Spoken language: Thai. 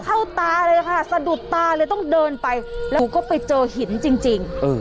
ตาเลยค่ะสะดุดตาเลยต้องเดินไปแล้วก็ไปเจอหินจริง